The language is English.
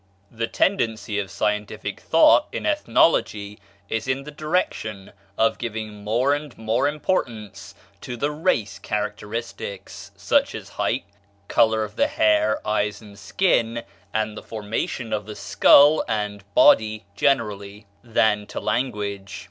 The tendency of scientific thought in ethnology is in the direction of giving more and more importance to the race characteristics, such as height, color of the hair, eyes and skin, and the formation of the skull and body generally, than to language.